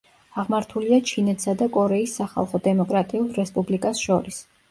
აღმართულია ჩინეთსა და კორეის სახალხო დემოკრატიულ რესპუბლიკას შორის.